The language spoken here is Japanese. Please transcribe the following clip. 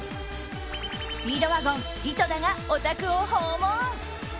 スピードワゴン井戸田がお宅を訪問。